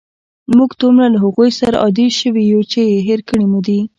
موږ دومره له هغوی سره عادی شوي یو، چې هېر کړي مو دي.